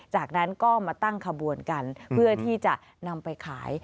จากนั้นก็มาตั้งขบวนกันเพื่อที่จะนำไปขาย